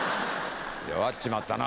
弱っちまったな。